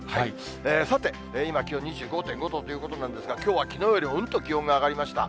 さて、今、気温２５．５度ということなんですが、きょうはきのうよりうんと気温が上がりました。